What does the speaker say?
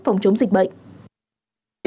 phòng chống dịch bệnh